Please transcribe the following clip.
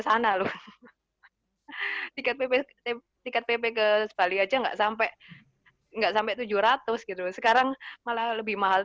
sana loh tiket pp tiket pp ke bali aja enggak sampai enggak sampai tujuh ratus gitu sekarang malah lebih mahal